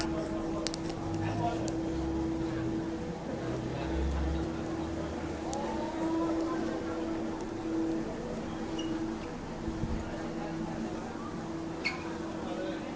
ขอบคุณครับขอบคุณครับขอบคุณครับขอบคุณครับ